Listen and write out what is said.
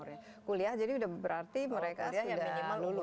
kalau dari segi kursus kuliah jadi berarti mereka sudah lulus